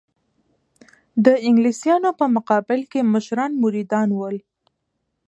د انګلیسیانو په مقابل کې مشران مریدان ول.